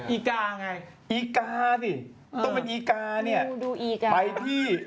อีกาไงอีกาสิต้องเป็นอีกาเนี่ยไปที่